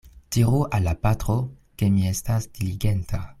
Diru al la patro, ke mi estas diligenta.